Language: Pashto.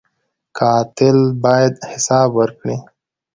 قاتل باید حساب ورکړي